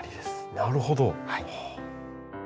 なるほど。